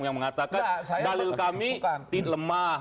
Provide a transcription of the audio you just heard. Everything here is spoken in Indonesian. yang mengatakan dalil kami lemah